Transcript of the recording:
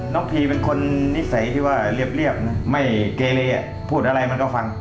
พีเป็นคนนิสัยที่ว่าเรียบนะไม่เกเลพูดอะไรมันก็ฟัง